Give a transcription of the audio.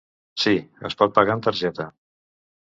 Si, es pot pagar amb targeta.